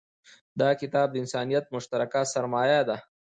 دا کتاب د انسانیت مشترکه سرمایه ده.